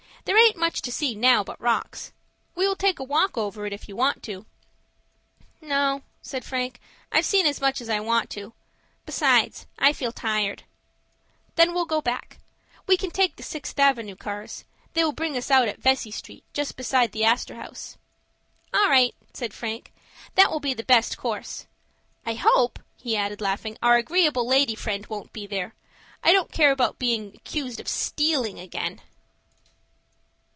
"There aint much to see now but rocks. We will take a walk over it if you want to." "No," said Frank, "I've seen as much of it as I want to. Besides, I feel tired." "Then we'll go back. We can take the Sixth Avenue cars. They will bring us out at Vesey Street just beside the Astor House." "All right," said Frank. "That will be the best course. I hope," he added, laughing, "our agreeable lady friend won't be there. I don't care about being accused of stealing again."